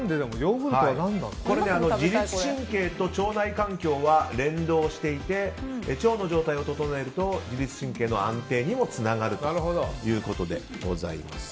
自律神経と腸内環境は連動していて腸の状態を整えると自律神経の安定にもつながるということでございます。